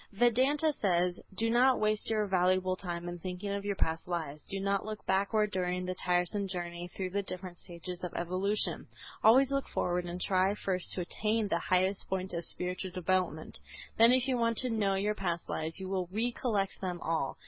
Vedanta says, do not waste your valuable time in thinking of your past lives, do not look backward during the tiresome journey through the different stages of evolution, always look forward and try first to attain to the highest point of spiritual development; then if you want to know your past lives you will recollect them all.